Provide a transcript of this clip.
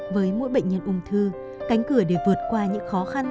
với mỗi bệnh nhân ung thư cánh cửa để vượt qua những khó khăn